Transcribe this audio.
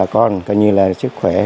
còn sức khỏe